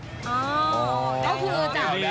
เออคือจะช่วยทำให้